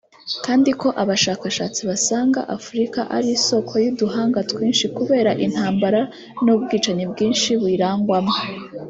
kandi ko abashakashatsi basanga Afurika ari isôoko y’uduhanga twinshi kubera intambara n’ubwicanyi bwinshi buyirangwamo